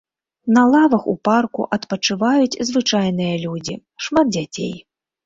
На лавах у парку адпачываюць звычайныя людзі, шмат дзяцей.